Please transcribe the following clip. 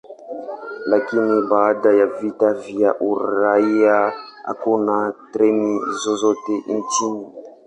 Lakini baada ya vita vya uraia, hakuna treni zozote nchini.